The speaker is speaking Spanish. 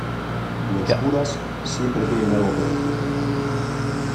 los curas siempre tiene algo que decir.